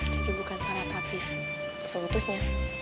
jadi bukan salah papi seutuhnya